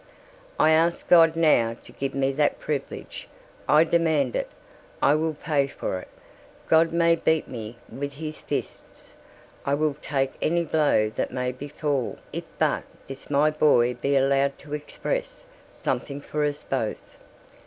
"I ask God now to give me that privilege. I demand it. I will pay for it. God may beat me with his fists. I will take any blow that may befall if but this my boy be allowed to express something for us both."